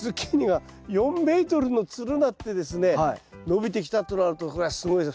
伸びてきたとなるとこれはすごいです。